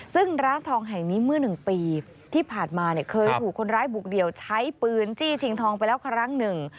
ซึ่งร้านทองแห่งนี้เมื่อ๑ปีที่ผ่านมาเนี่ยเคยถูกคนร้ายบุกเดี่ยวใช้ปืนจี้ชิงทองไปแล้วครั้งหนึ่ง